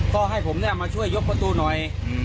ก็ให้ผมมาช่วยยกประตูหน่อย